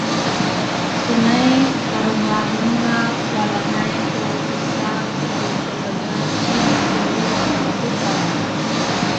kunay tarungeangea walangay ku drusa ku belebele si tulru ku budau.